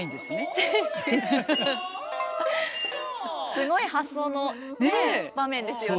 すごい発想の場面ですよね。